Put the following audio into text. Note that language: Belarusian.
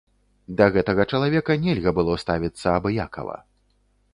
Да гэтага чалавека нельга было ставіцца абыякава.